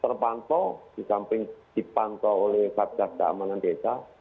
terpantau di samping dipantau oleh kakak kakak amanan desa